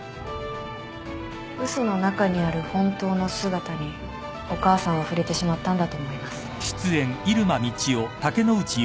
嘘の中にある本当の姿にお母さんは触れてしまったんだと思います。